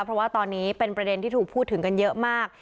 เพราะว่าตอนนี้เป็นประเด็นที่ถูกพูดถึงกันเยอะมาก